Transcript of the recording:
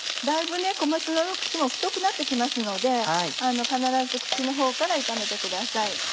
だいぶ小松菜の茎も太くなって来ますので必ず茎のほうから炒めてください。